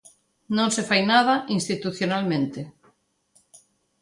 Non se fai nada institucionalmente.